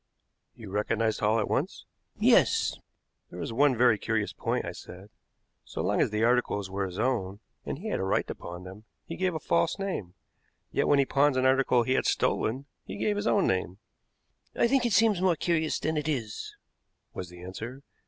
"You recognized Hall at once?" "Yes " "There is one very curious point," I said: "so long as the articles were his own, and he had a right to pawn them, he gave a false name; yet, when he pawns an article he had stolen, he gave his own name." "I think it seems more curious than it is," was the answer.